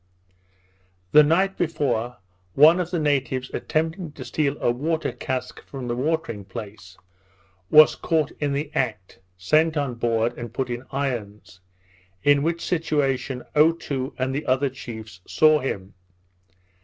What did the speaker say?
The night before, one of the natives attempting to steal a water cask from the watering place, was caught in the act, sent on board, and put in irons; in which situation Otoo and the other chiefs saw him.